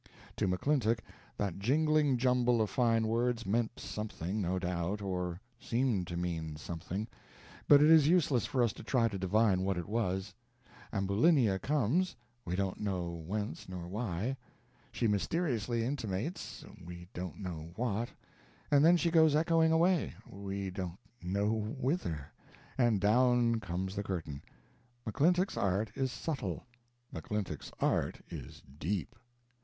To McClintock that jingling jumble of fine words meant something, no doubt, or seemed to mean something; but it is useless for us to try to divine what it was. Ambulinia comes we don't know whence nor why; she mysteriously intimates we don't know what; and then she goes echoing away we don't know whither; and down comes the curtain. McClintock's art is subtle; McClintock's art is deep.